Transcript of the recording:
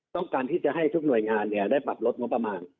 ต้องการที่จะให้ทุกหน่วยงานได้ปรับลดงบประมาณ